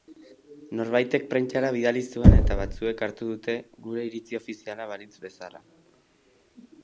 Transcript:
Norbaitek prentsara bidali zuen eta batzuek hartu dute gure iritzi ofiziala balitz bezala.